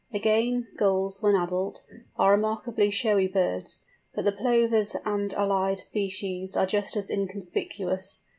Again, Gulls, when adult, are remarkably showy birds, but the Plovers and allied species are just as inconspicuous.